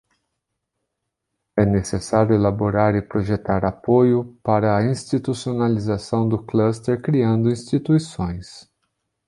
É necessário elaborar e projetar apoio para a institucionalização do cluster criando instituições.